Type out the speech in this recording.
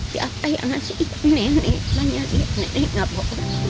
siapa yang ngasih itu nenek banyaknya nenek nggak bawa